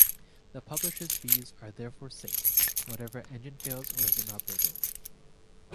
The published V's are therefore safe, whatever engine fails or is inoperative.